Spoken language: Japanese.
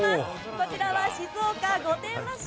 こちらは静岡・御殿場市。